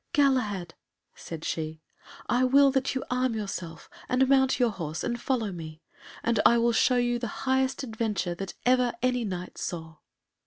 "Galahad," said she, "I will that you arm yourself, and mount your horse and follow me, and I will show you the highest adventure that ever any Knight saw."